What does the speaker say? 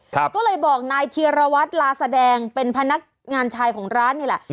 ก็เลยบอกนายเทียรวัตรลาแสดงเป็นพนักงานชายของร้านนี่แหละ